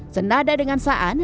senada dengan sa'an